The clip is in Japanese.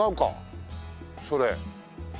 それ。